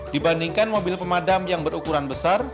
dibandingkan mobil pemadam yang berukuran besar